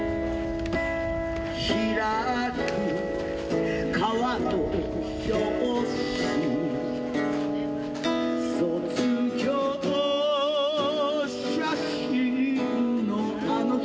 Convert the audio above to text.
「開く皮の表紙」「卒業写真のあの人は」